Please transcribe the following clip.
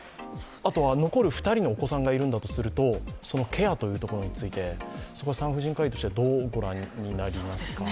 あとは残る２人のお子さんがいるとしたらそのケアというところについてそこは産婦人科医としてはどうご覧になりますか。